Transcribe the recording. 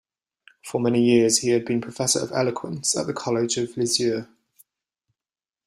For many years he had been professor of eloquence at the College of Lisieux.